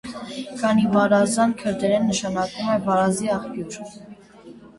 Կանիբարազան քրդերեն նշանակում է «վարազի աղբյուր»։